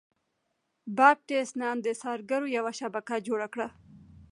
باپټیست نان د څارګرو یوه شبکه جوړه کړه.